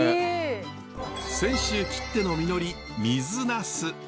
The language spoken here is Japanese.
泉州きっての実り水ナス。